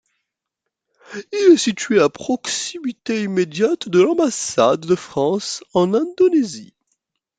Il est situé à proximité immédiate de l'ambassade de France en Indonésie.